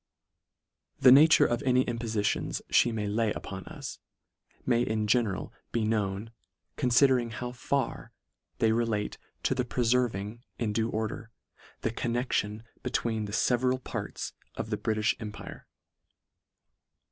The nature of any impofitions (he may lay upon us, may in general be known, con sidering how far they relate to the preferv ing, in due order, the connexion between the I (a) November 5, 1688. 66 LETTER VI. feveral parts of the Britijh empire.